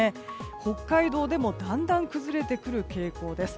北海道でもだんだん崩れてくる傾向です。